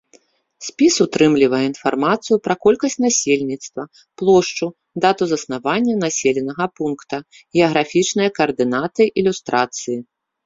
Спіс утрымлівае інфармацыю пра колькасць насельніцтва, плошчу, дату заснавання населенага пункта, геаграфічныя каардынаты, ілюстрацыі.